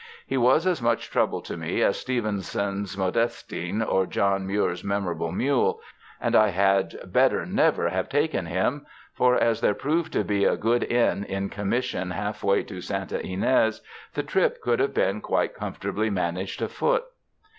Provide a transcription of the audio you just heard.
He was as much trouble to me as Stevenson's Modestine or John Muir's memorable mule, and I had better never have taken him ; for, as there proved to be a good inn in commission half way Iro Santa Ynez, the trip could have been quite comfortably managed afoot.